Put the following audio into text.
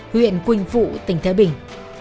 huyện quỳnh phụ tỉnh thái bình